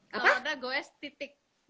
kalau enggak goes titik